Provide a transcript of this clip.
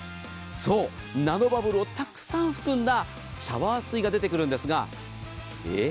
そう、ナノバブルをたくさん含んだシャワー水が出てくるんですがえっ？